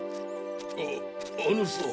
ああのさ。